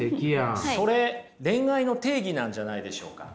それ恋愛の定義なんじゃないでしょうか？